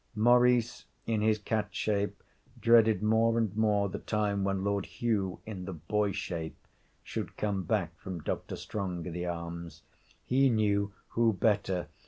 Maurice in his cat shape dreaded more and more the time when Lord Hugh in the boy shape should come back from Dr. Strongitharm's. He knew who better?